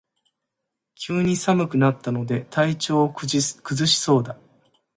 急に寒くなったので体調を崩しそうだ